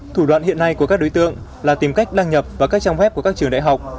thủ đoạn hiện nay của các đối tượng là tìm cách đăng nhập vào các trang web của các trường đại học